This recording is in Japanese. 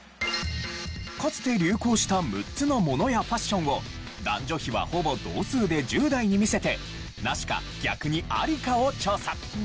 かつて流行した６つのものやファッションを男女比はほぼ同数で１０代に見せてナシか逆にアリかを調査。